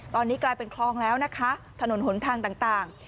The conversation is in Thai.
ตอนนี้กลายเป็นคลองแล้วนะคะถนนหนทางต่าง